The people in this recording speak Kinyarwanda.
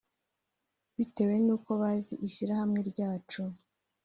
bitewe nuko bazi ishyirahamwe ryacu